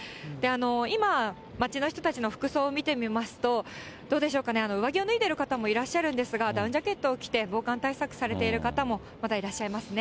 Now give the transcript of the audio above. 今、街の人たちの服装を見てみますと、どうでしょうかね、上着を脱いでいる方もいらっしゃるんですが、ダウンジャケットを着て防寒対策をされている方もまだいらっしゃいますね。